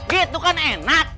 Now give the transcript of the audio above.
gitu kan enak